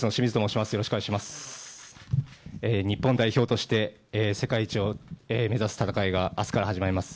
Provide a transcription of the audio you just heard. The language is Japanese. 日本代表として世界一を目指す戦いが明日から始まります。